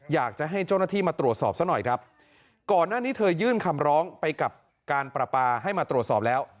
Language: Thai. อยากจะให้เจ้าหน้าที่มาตรวจสอบซะหน่อยครับก่อนหน้านี้เธอยื่นคำร้องไปกับการปราปาให้มาตรวจสอบแล้ว